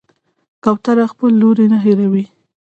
کوتره خپل لوری نه هېروي.